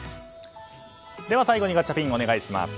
最後にガチャピンお願いします。